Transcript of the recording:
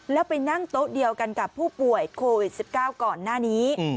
แล้วไปนั่งโต๊ะเดียวกันกับผู้ป่วยโควิด๑๙ก่อนหน้านี้